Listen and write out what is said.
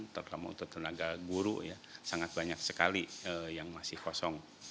terutama untuk tenaga guru ya sangat banyak sekali yang masih kosong